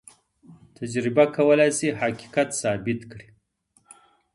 تجربه کولای سي حقيقت ثابت کړي.